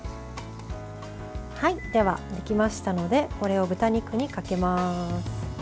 では、できましたのでこれを豚肉にかけます。